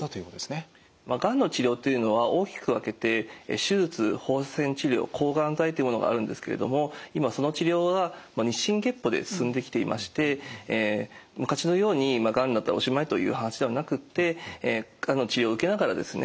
がんの治療というのは大きく分けて手術放射線治療抗がん剤というものがあるんですけれども今その治療は日進月歩で進んできていまして昔のようにがんになったらおしまいという話ではなくて治療を受けながらですね